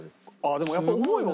でもやっぱ重いわ。